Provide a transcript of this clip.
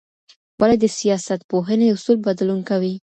ولي د سياستپوهني اصول بدلون کوي؟